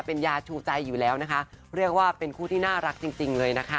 เป็นยาชูใจอยู่แล้วนะคะเรียกว่าเป็นคู่ที่น่ารักจริงจริงเลยนะคะ